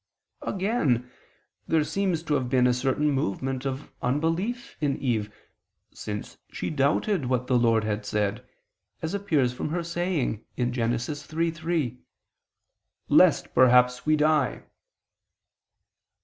Again there seems to have been a certain movement of unbelief in Eve, since she doubted what the Lord had said, as appears from her saying (Gen. 3:3): "Lest perhaps we die."